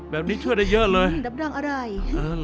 แบบนี้ช่วยได้เยอะเลยน้ำดังอร่อยหรืออืม